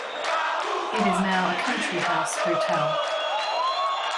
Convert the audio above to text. It is now a country house hotel.